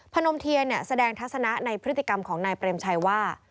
นมเทียนแสดงทัศนะในพฤติกรรมของนายเปรมชัยว่า